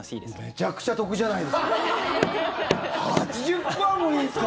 めちゃくちゃ得じゃないですか。